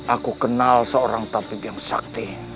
aku kenal seorang tatib yang sakti